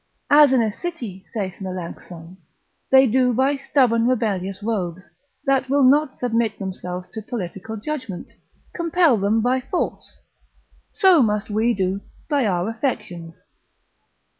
As in a city (saith Melancthon) they do by stubborn rebellious rogues, that will not submit themselves to political judgment, compel them by force; so must we do by our affections.